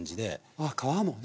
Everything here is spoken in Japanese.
あっ皮もね。